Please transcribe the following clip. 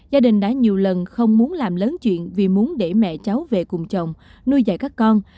gia đình đã nhiều lần không muốn làm lớn chuyện vì muốn để mẹ cháu về cùng chồng nuôi dạy các con